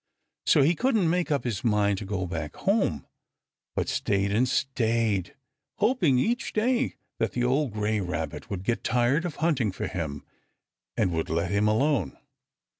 So he couldn't make up his mind to go back home, but stayed and stayed, hoping each day that the old gray Rabbit would get tired of hunting for him, and would let him alone.